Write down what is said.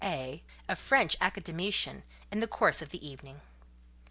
A——, a French Academician, in the course of the evening.